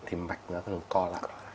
thì mạch nó thường co lặn